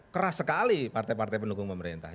keras sekali partai partai pendukung pemerintah